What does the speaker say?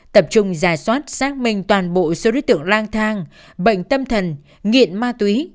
tập trung giả soát xác minh toàn bộ số đối tượng lang thang bệnh tâm thần nghiện ma túy